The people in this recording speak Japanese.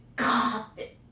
って。